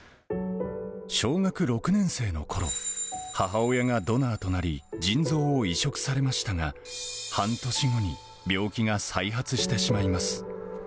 小学６年生のころ、母親がドナーとなり、腎臓を移植されましたが、半年後に病気が再発してしまいます。